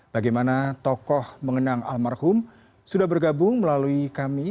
bagaimana tokoh mengenang almarhum sudah bergabung melalui kami